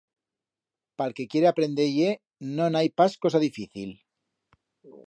Pa'l que quiere aprender-ie no n'hai pas cosa difícil.